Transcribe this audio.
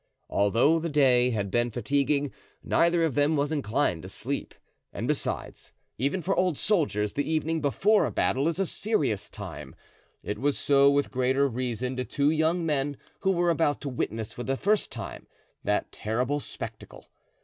Although the day had been fatiguing, neither of them was inclined to sleep. And besides, even for old soldiers the evening before a battle is a serious time; it was so with greater reason to two young men who were about to witness for the first time that terrible spectacle.